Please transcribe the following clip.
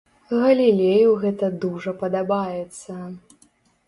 Галілею гэта дужа падабаецца.